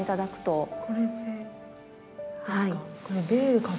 これですか？